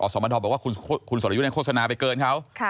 สมทบอกว่าคุณสรยุทธ์โฆษณาไปเกินเขา